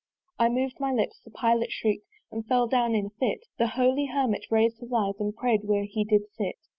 I mov'd my lips: the Pilot shriek'd And fell down in a fit. The Holy Hermit rais'd his eyes And pray'd where he did sit.